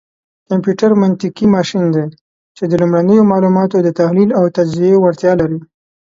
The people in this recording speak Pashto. کمپيوټر منطقي ماشين دی، چې د لومړنيو معلوماتو دتحليل او تجزيې وړتيا لري.